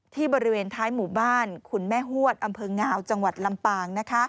บริเวณท้ายหมู่บ้านขุนแม่ฮวดอำเภองาวจังหวัดลำปาง